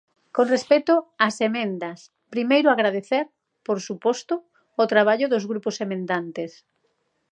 Con respecto ás emendas, primeiro agradecer, por suposto, o traballo dos grupos emendantes.